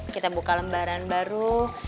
kita buka lembaran baru